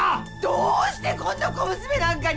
どうしてこんな小娘なんかに。